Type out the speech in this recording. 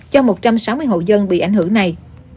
cho một trăm sáu mươi hộ dân bị ảnh hưởng này